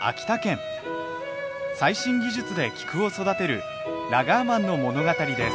最新技術で菊を育てるラガーマンの物語です。